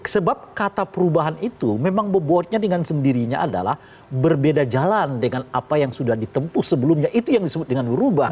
sebab kata perubahan itu memang bobotnya dengan sendirinya adalah berbeda jalan dengan apa yang sudah ditempuh sebelumnya itu yang disebut dengan berubah